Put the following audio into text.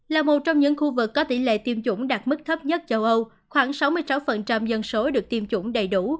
là một trong những khu vực có tỷ lệ tiêm chủng đạt mức thấp nhất châu âu khoảng sáu mươi sáu dân số được tiêm chủng đầy đủ